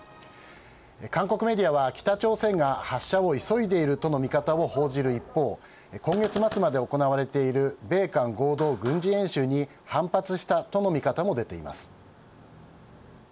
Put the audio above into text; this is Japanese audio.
韓国メディアは、北朝鮮が発射を急いでいるとの見方も報じる一方今月末まで行われている米韓合同軍事演習に反発したとの見方も出ています。